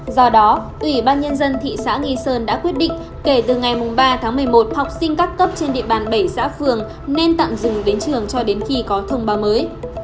do đó ủy ban nhân dân thị xã nghi sơn đã quyết định kể từ ngày ba tháng một mươi một học sinh các cấp trên địa bàn bảy xã phường nên tạm dừng đến trường cho đến khi có thông báo mới